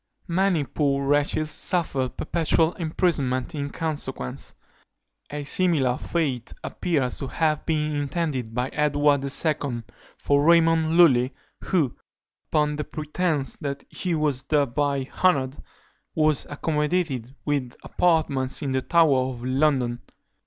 Many poor wretches suffered perpetual imprisonment in consequence. A similar fate appears to have been intended by Edward II. for Raymond Lulli, who, upon the pretence that he was thereby honoured, was accommodated with apartments in the Tower of London.